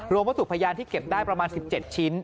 วัตถุพยานที่เก็บได้ประมาณ๑๗ชิ้น